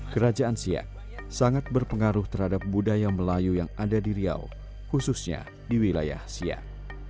kerajaan siap sangat berpengaruh terhadap budaya melayu yang di riau khususnya di wilayah siap